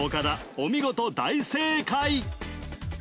お見事大正解！